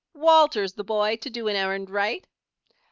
"Walter's the boy to do an errand right!"